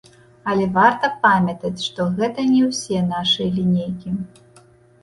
Але варта памятаць, што гэта не ўсе нашыя лінейкі.